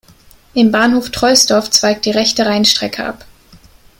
Im Bahnhof Troisdorf zweigt die Rechte Rheinstrecke ab.